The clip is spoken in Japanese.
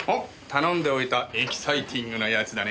頼んでおいたエキサイティングなやつだね。